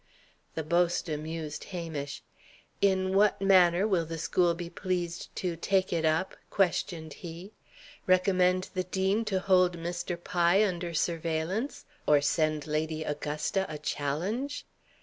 The boast amused Hamish. "In what manner will the school be pleased to 'take it up?'" questioned he. "Recommend the dean to hold Mr. Pye under surveillance? Or send Lady Augusta a challenge?"